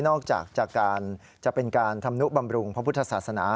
นอกจากจะเป็นการทำนุบำรุงพระบุธภาษณา